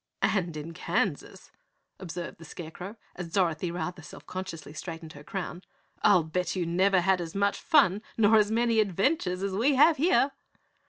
"And in Kansas," observed the Scarecrow, as Dorothy rather self consciously straightened her crown, "I'll bet you never had as much fun nor as many adventures as we have here."